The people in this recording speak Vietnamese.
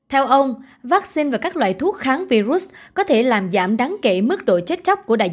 theo ông vaccine và các loại thuốc kháng virus có thể làm giảm đáng kể mức độ chết chóc của đại